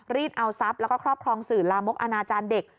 รีดเอาทรัพย์แล้วก็ข้อพรองสื่อละมกอาจารย์เด็ก